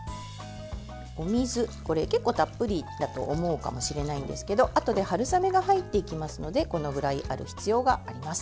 お水、結構たっぷりだと思うかもしれないんですけどあとで春雨が入っていきますのでこのぐらいある必要があります。